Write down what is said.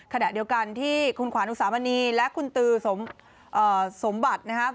ขณะเดียวกันที่คุณขวานอุสามณีและคุณตือสมบัตินะครับ